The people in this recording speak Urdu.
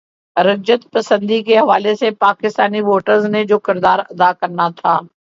رجعت پسندی کے حوالے سے پاکستانی ووٹرز نے جو کردار ادا کرنا تھا۔